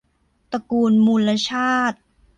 ตระกูลมูลชาติ